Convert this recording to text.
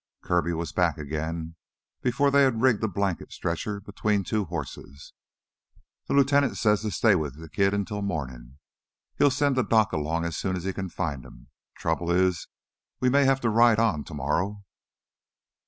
Kirby was back again before they had rigged a blanket stretcher between two horses. "The lieutenant says to stay with th' kid till mornin'. He'll send the doc along as soon as he can find him. Trouble is, we may have to ride on tomorrow...."